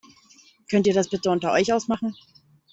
Könnt ihr das bitte unter euch ausmachen?